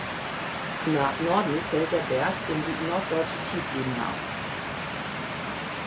Nach Norden fällt der Berg in die Norddeutsche Tiefebene ab.